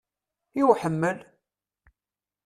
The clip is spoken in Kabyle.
I uḥemmel?